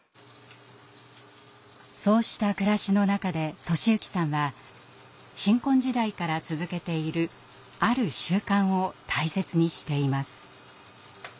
そうした暮らしの中で寿之さんは新婚時代から続けているある習慣を大切にしています。